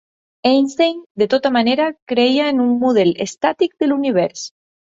Einstein, de tota manera, creia en un model estàtic de l'univers.